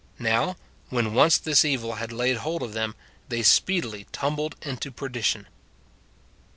Now, when once this evil had laid hold of them, they speedily tumbled into perdition.